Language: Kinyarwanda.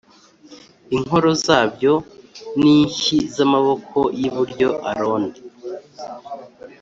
Inkoro zabyo n inshyi z amaboko y iburyo Aroni